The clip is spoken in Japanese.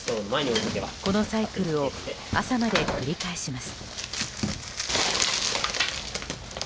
このサイクルを朝まで繰り返します。